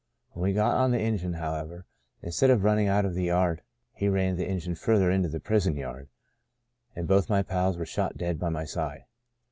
When we got on the engine, however, instead of running out of the yard he ran the engine further into the prison yard, and both my pals were shot dead by my side.